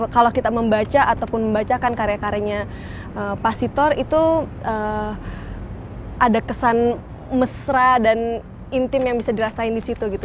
kalau kita membaca ataupun membacakan karya karyanya pak sitor itu ada kesan mesra dan intim yang bisa dirasain di situ gitu